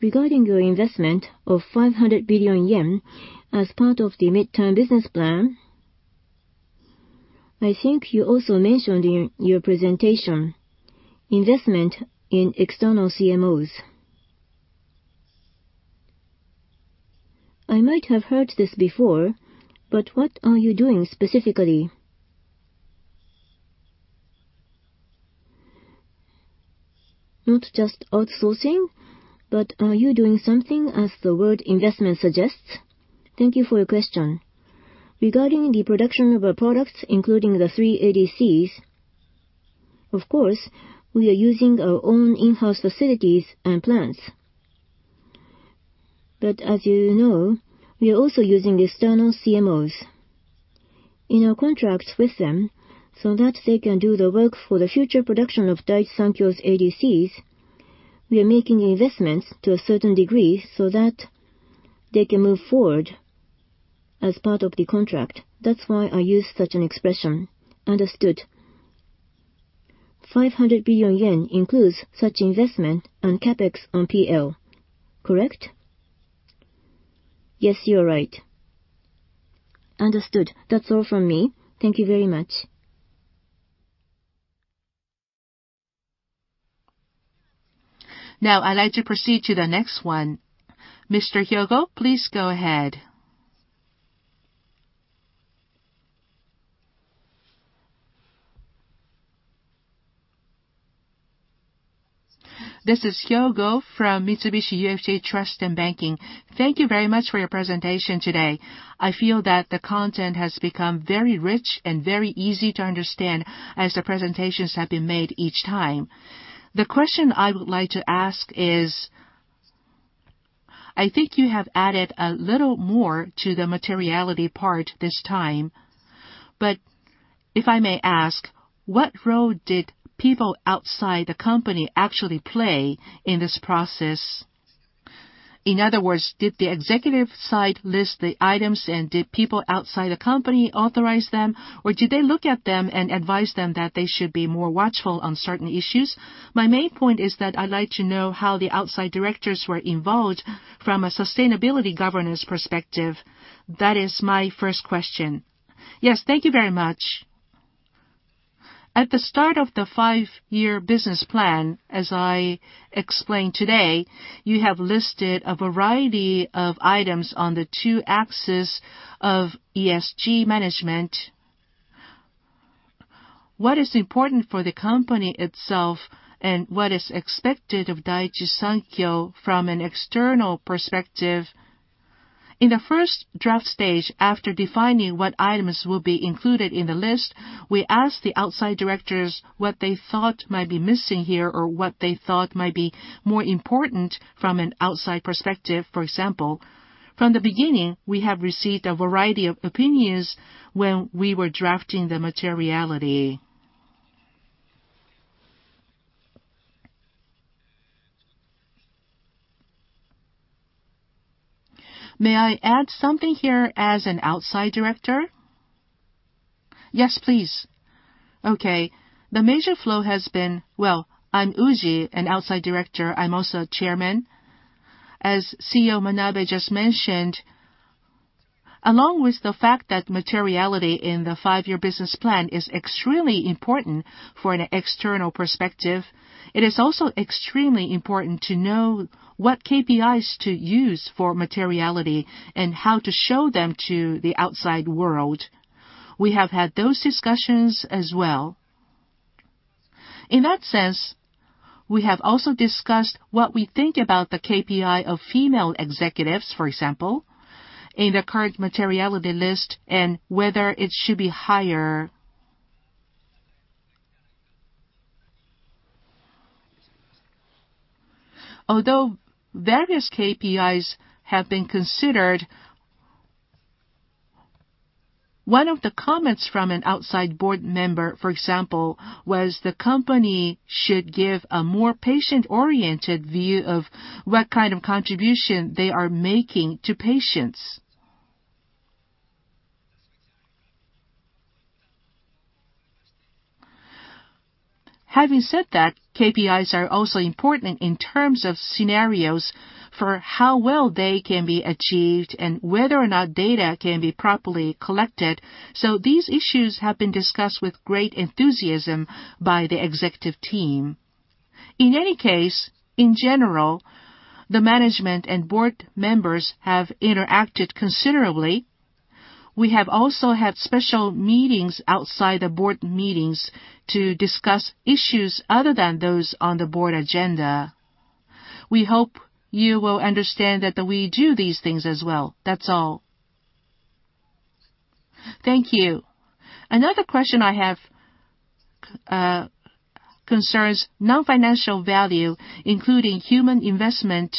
Regarding your investment of 500 billion yen as part of the midterm business plan, I think you also mentioned in your presentation investment in external CMOs. I might have heard this before, but what are you doing specifically? Not just outsourcing, but are you doing something as the word investment suggests? Thank you for your question. Regarding the production of our products, including the three ADCs, of course, we are using our own in-house facilities and plants. As you know, we are also using external CMOs. In our contracts with them, so that they can do the work for the future production of Daiichi Sankyo's ADCs, we are making investments to a certain degree so that they can move forward as part of the contract. That's why I use such an expression. Understood. 500 billion yen includes such investment and CapEx on P&L, correct? Yes, you are right. Understood. That's all from me. Thank you very much. Now I'd like to proceed to the next one. Mr. Hyogo, please go ahead. This is Hyogo from Mitsubishi UFJ Trust & Banking. Thank you very much for your presentation today. I feel that the content has become very rich and very easy to understand as the presentations have been made each time. The question I would like to ask is, I think you have added a little more to the materiality part this time. If I may ask, what role did people outside the company actually play in this process? In other words, did the executive side list the items, and did people outside the company authorize them? Did they look at them and advise them that they should be more watchful on certain issues? My main point is that I'd like to know how the outside directors were involved from a sustainability governance perspective. That is my first question. Yes, thank you very much. At the start of the five-year business plan, as I explained today, you have listed a variety of items on the two axes of ESG management. What is important for the company itself and what is expected of Daiichi Sankyo from an external perspective? In the first draft stage, after defining what items will be included in the list, we asked the outside directors what they thought might be missing here or what they thought might be more important from an outside perspective, for example. From the beginning, we have received a variety of opinions when we were drafting the materiality. May I add something here as an outside director? Yes, please. Okay. The major flow has been-- Well, I'm Uji, an outside director. I'm also chairman. As CEO Manabe just mentioned, along with the fact that materiality in the five-year business plan is extremely important for an external perspective, it is also extremely important to know what KPIs to use for materiality and how to show them to the outside world. We have had those discussions as well. In that sense, we have also discussed what we think about the KPI of female executives, for example, in the current materiality list, and whether it should be higher. Various KPIs have been considered, one of the comments from an outside board member, for example, was the company should give a more patient-oriented view of what kind of contribution they are making to patients. Having said that, KPIs are also important in terms of scenarios for how well they can be achieved and whether or not data can be properly collected. These issues have been discussed with great enthusiasm by the executive team. In any case, in general, the management and board members have interacted considerably. We have also had special meetings outside the board meetings to discuss issues other than those on the board agenda. We hope you will understand that we do these things as well. That's all. Thank you. Another question I have, concerns non-financial value, including human investment.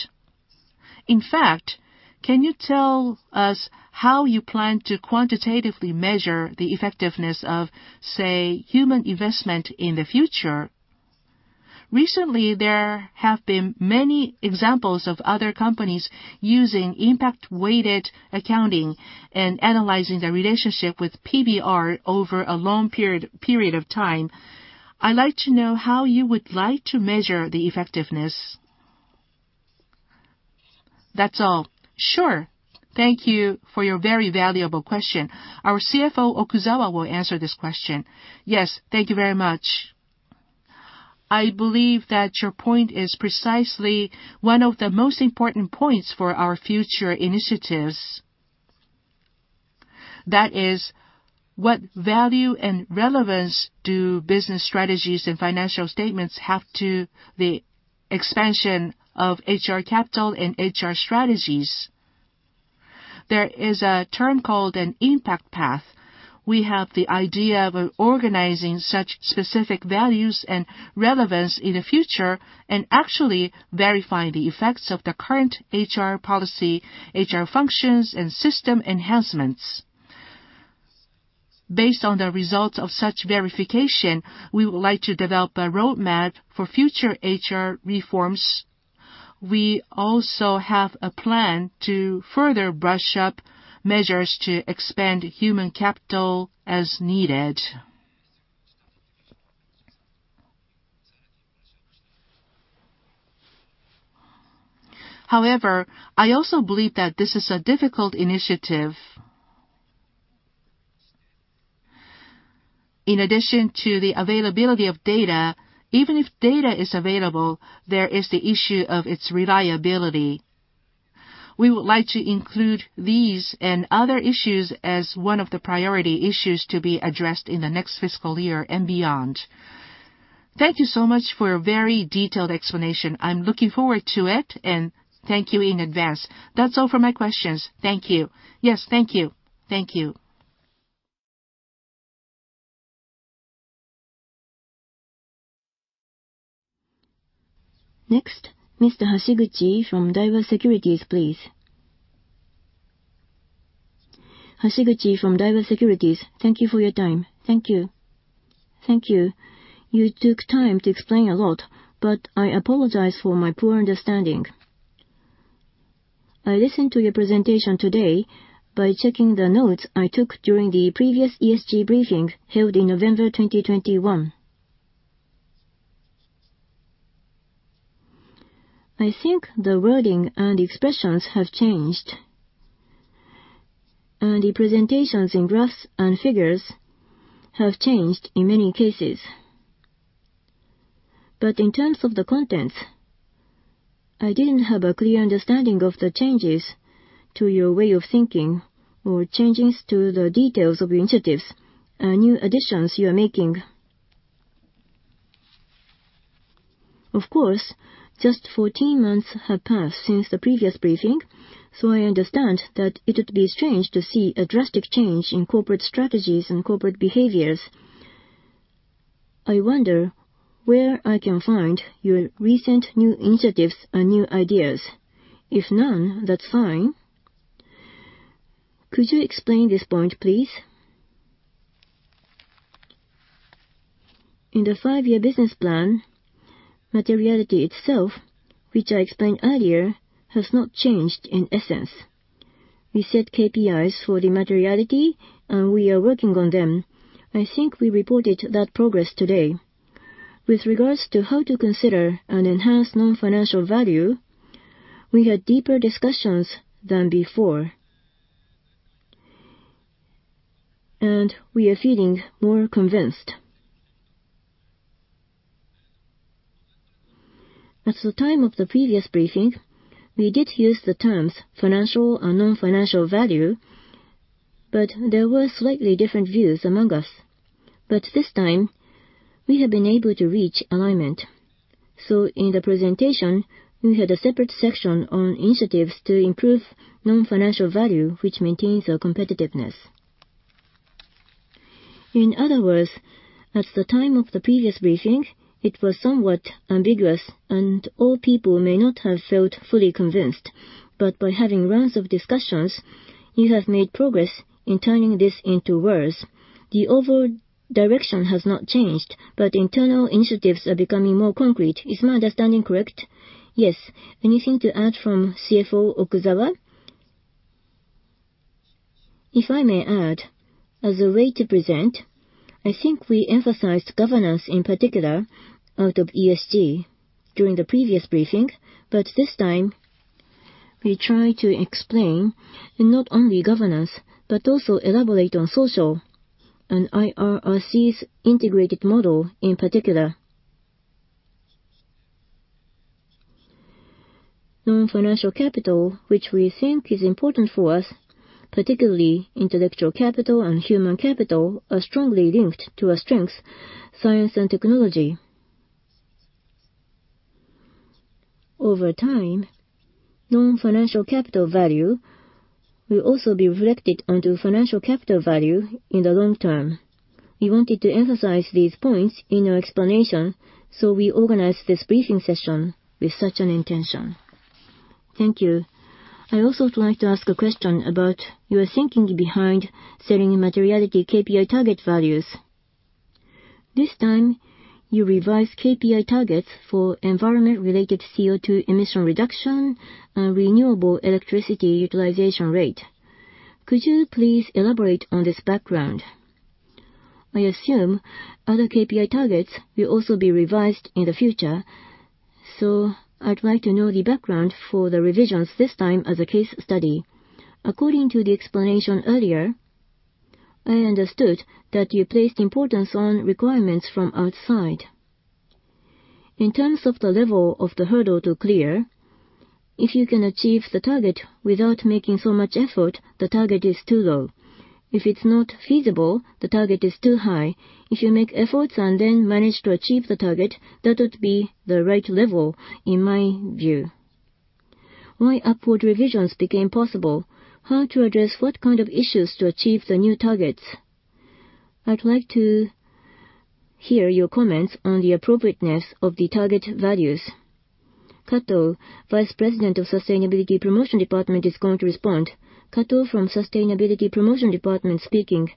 In fact, can you tell us how you plan to quantitatively measure the effectiveness of, say, human investment in the future? Recently, there have been many examples of other companies using Impact-Weighted Accounting and analyzing the relationship with PBR over a long period of time. I'd like to know how you would like to measure the effectiveness. That's all. Sure. Thank you for your very valuable question. Our CFO, Okuzawa, will answer this question. Yes, thank you very much. I believe that your point is precisely one of the most important points for our future initiatives. That is, what value and relevance do business strategies and financial statements have to the expansion of HR capital and HR strategies? There is a term called an impact path. We have the idea of organizing such specific values and relevance in the future and actually verifying the effects of the current HR policy, HR functions, and system enhancements. Based on the results of such verification, we would like to develop a roadmap for future HR reforms. We also have a plan to further brush up measures to expand human capital as needed. I also believe that this is a difficult initiative. In addition to the availability of data, even if data is available, there is the issue of its reliability. We would like to include these and other issues as one of the priority issues to be addressed in the next fiscal year and beyond. Thank you so much for your very detailed explanation. I am looking forward to it, and thank you in advance. That is all for my questions. Thank you. Yes, thank you. Thank you. Next, Mr. Hashiguchi from Daiwa Securities, please. Hashiguchi from Daiwa Securities. Thank you for your time. Thank you. Thank you. You took time to explain a lot, but I apologize for my poor understanding. I listened to your presentation today by checking the notes I took during the previous ESG briefing held in November 2021. I think the wording and expressions have changed, and the presentations in graphs and figures have changed in many cases. In terms of the contents, I didn't have a clear understanding of the changes to your way of thinking or changes to the details of your initiatives and new additions you are making. Of course, just 14 months have passed since the previous briefing, so I understand that it would be strange to see a drastic change in corporate strategies and corporate behaviors. I wonder where I can find your recent new initiatives and new ideas. If none, that's fine. Could you explain this point, please? In the five-year business plan, materiality itself, which I explained earlier, has not changed in essence. We set KPIs for the materiality and we are working on them. I think we reported that progress today. With regards to how to consider and enhance non-financial value, we had deeper discussions than before, and we are feeling more convinced. At the time of the previous briefing, we did use the terms financial and non-financial value, but there were slightly different views among us. This time, we have been able to reach alignment. In the presentation, we had a separate section on initiatives to improve non-financial value, which maintains our competitiveness. In other words, at the time of the previous briefing, it was somewhat ambiguous, and all people may not have felt fully convinced. By having rounds of discussions, you have made progress in turning this into words. The overall direction has not changed, but internal initiatives are becoming more concrete. Is my understanding correct? Yes. Anything to add from CFO Okuzawa? If I may add, as a way to present, I think I emphasized governance in particular out of ESG during the previous briefing, but this time we try to explain not only governance, but also elaborate on social and IIRC's integrated model in particular. Non-financial capital, which we think is important for us, particularly intellectual capital and human capital, are strongly linked to our strength, science and technology. Over time, non-financial capital value will also be reflected onto financial capital value in the long term. We wanted to emphasize these points in our explanation. We organized this briefing session with such an intention. Thank you. I'd also like to ask a question about your thinking behind setting materiality KPI target values. This time, you revised KPI targets for environment-related CO2 emission reduction and renewable electricity utilization rate. Could you please elaborate on this background? I assume other KPI targets will also be revised in the future. I'd like to know the background for the revisions this time as a case study. According to the explanation earlier, I understood that you placed importance on requirements from outside. In terms of the level of the hurdle to clear, if you can achieve the target without making so much effort, the target is too low. If it's not feasible, the target is too high. If you make efforts and then manage to achieve the target, that would be the right level in my view. Upward revisions became possible, how to address what kind of issues to achieve the new targets. I'd like to hear your comments on the appropriateness of the target values. Kato, Vice President of Sustainability Promotion Department, is going to respond. Katou from Sustainability Promotion Department speaking.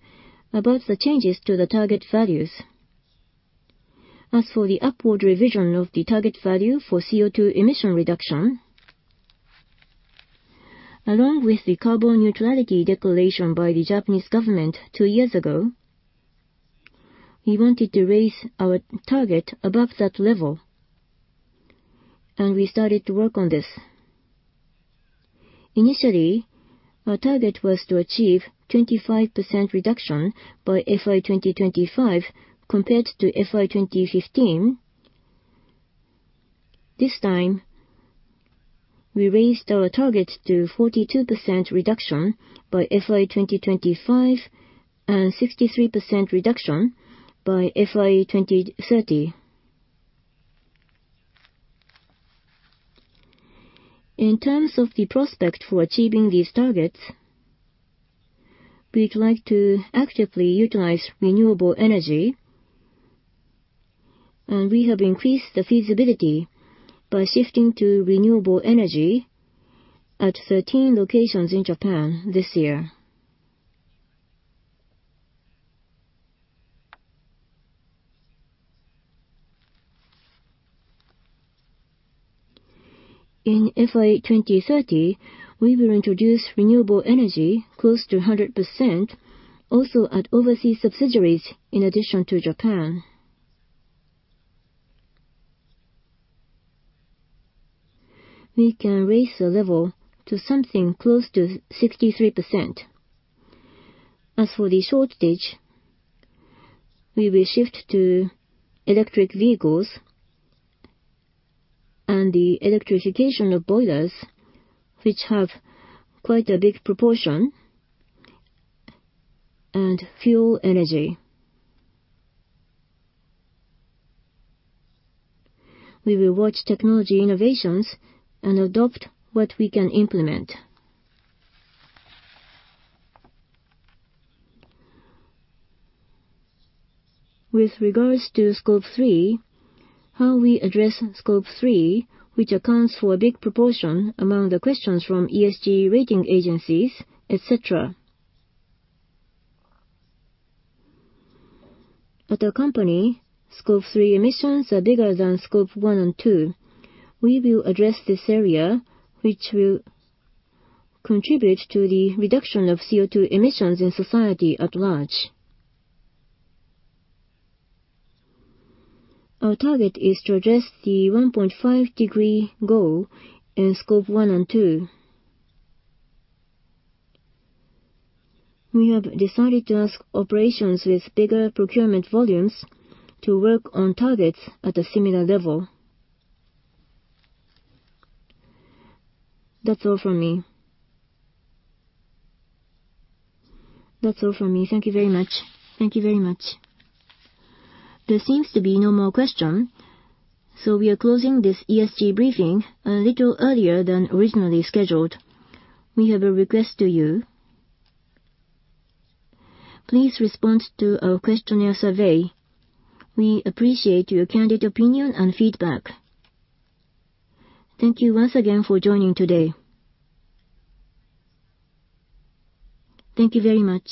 About the changes to the target values. As for the upward revision of the target value for CO2 emission reduction, along with the carbon neutrality declaration by the Japanese government two years ago, we wanted to raise our target above that level, and we started to work on this. Initially, our target was to achieve 25% reduction by FY 2025 compared to FY 2015. This time, we raised our target to 42% reduction by FY 2025 and 63% reduction by FY 2030. In terms of the prospect for achieving these targets, we'd like to actively utilize renewable energy, and we have increased the feasibility by shifting to renewable energy at 13 locations in Japan this year. In FY 2030, we will introduce renewable energy close to 100% also at overseas subsidiaries, in addition to Japan. We can raise the level to something close to 63%. As for the shortage, we will shift to electric vehicles and the electrification of boilers, which have quite a big proportion and fuel energy. We will watch technology innovations and adopt what we can implement. With regards to Scope 3, how we address Scope 3, which accounts for a big proportion among the questions from ESG rating agencies, et cetera. At our company, Scope 3 emissions are bigger than Scope 1 and 2. We will address this area, which will contribute to the reduction of CO2 emissions in society at large. Our target is to address the 1.5 degree goal in Scope 1 and 2. We have decided to ask operations with bigger procurement volumes to work on targets at a similar level. That's all from me. Thank you very much. There seems to be no more question. We are closing this ESG briefing a little earlier than originally scheduled. We have a request to you. Please respond to our questionnaire survey. We appreciate your candid opinion and feedback. Thank you once again for joining today. Thank you very much.